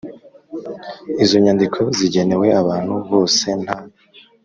Izo nyandiko zigenewe abantu bose nta